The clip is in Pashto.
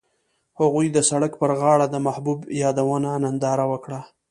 هغوی د سړک پر غاړه د محبوب یادونه ننداره وکړه.